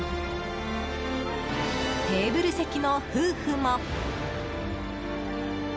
テーブル席の夫婦も。